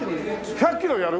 １００キロやる！？